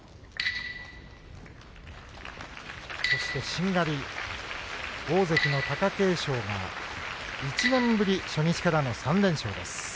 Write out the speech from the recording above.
しんがり大関の貴景勝が１年ぶり、初日からの３連勝です。